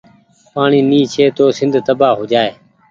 پآڻيٚ ني ڇي تو سند تبآه هوجآئي۔